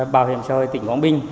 bảo hiểm xã hội tỉnh quảng bình